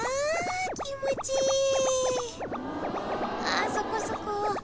ああそこそこ。